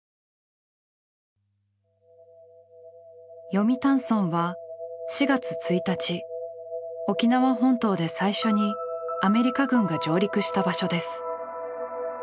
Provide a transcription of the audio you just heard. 読谷村は４月１日沖縄本島で最初にアメリカ軍が上陸した場所です。